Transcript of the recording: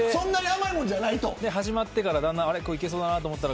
始まってからいけそうだと思って。